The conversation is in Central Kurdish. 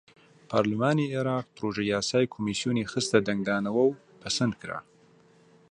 پەڕلەمانی عێراق پڕۆژەیاسای کۆمیسیۆنی خستە دەنگدانەوە و پەسەندکرا.